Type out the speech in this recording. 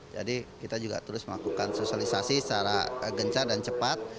jadi kita juga terus melakukan sosialisasi secara gencar dan cepat